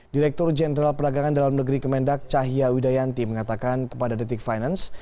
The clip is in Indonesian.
direktur jenderal perdagangan dalam negeri kemendak cahya widayanti mengatakan kepada detik finance